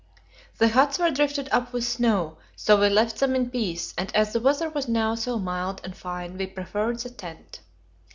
The huts were drifted up with snow, so we left them in peace, and as the weather was now so mild and fine, we preferred the tent.